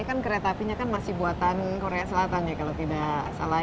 kan kereta apinya kan masih buatan korea selatan ya kalau tidak salah